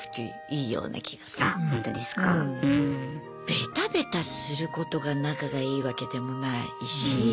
ベタベタすることが仲がいいわけでもないし。